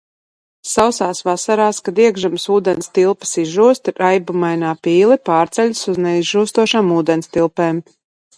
Sausās vasarās, kad iekšzemes ūdenstilpes izžūst, raibumainā pīle pārceļas uz neizžūstošām ūdenstilpēm.